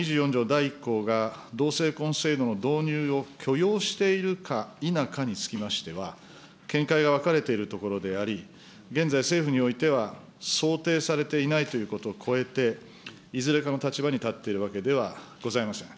第１項が、同性婚制度の導入を許容しているか否かにつきましては、見解が分かれているところであり、現在政府においては、想定されていないということを超えて、いずれかの立場に立っているわけではございません。